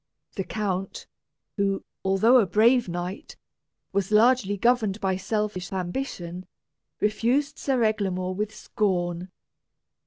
The count, who, although a brave knight, was largely governed by selfish ambition, refused Sir Eglamour with scorn.